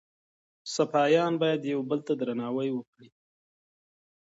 سپایان باید یو بل ته درناوی وکړي.